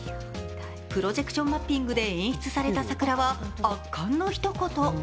プロジェクションマッピングで演出された桜は圧巻のひと言。